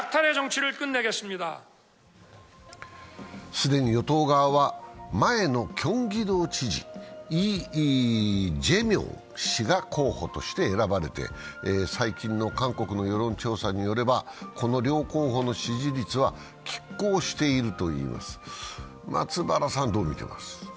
既に与党側は、前のキョンギドウ知事、イ・ジェミョン氏が候補として選ばれて最近の韓国の世論調査によればこの両候補の支持率は拮抗しているといいます。